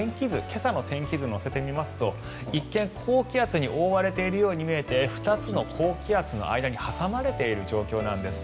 今朝の天気図を乗せていきますと一見、高気圧に覆われているように見えて２つの高気圧の間に挟まれている状況なんです。